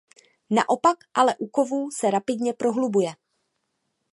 Naopak ale u kovů se rapidně prohlubuje.